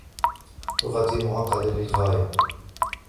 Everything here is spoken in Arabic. لغتي معقدة للغاية.